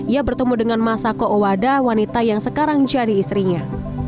ia bertemu dengan masako owada wanita yang sekarang jadi istrinya